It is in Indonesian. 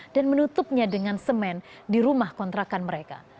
dan menutupnya dengan semen di rumah kontrakan mereka